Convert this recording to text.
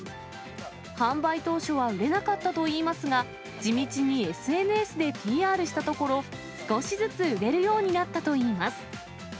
販売当初は売れなかったといいますが、地道にＳＮＳでＰＲしたところ、少しずつ売れるようになったといいます。